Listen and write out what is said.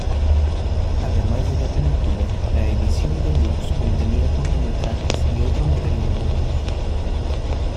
Además de la película, la edición deluxe contenía cortometrajes y otro material bonus.